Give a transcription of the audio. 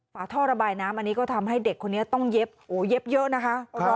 ฝาท่อระบายน้ำอันนี้ก็ทำให้เด็กคนนี้ต้องเย็บโอ้โหเย็บเยอะนะคะ